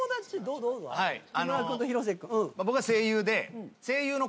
僕は声優で。